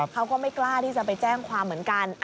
เขาก็ไม่กล้าที่จะไปแจ้งความเหมือนกัน